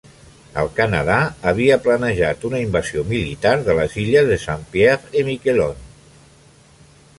El Canadà havia planejat una invasió militar de les illes de Saint-Pierre-et-Miquelon.